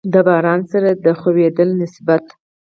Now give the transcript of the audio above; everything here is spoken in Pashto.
د باران سره د خوييدلو نسبت